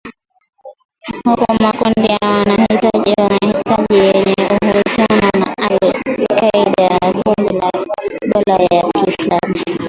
huku makundi ya wanajihadi yenye uhusiano na al kaeda na kundi la dola ya kiislamu